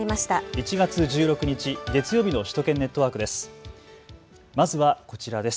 １月１６日月曜日の首都圏ネットワークです。